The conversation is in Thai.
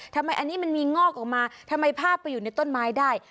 ทำไมอันนี้มันมีงอกออกมาทำไมภาพไปอยู่ในต้นไม้ได้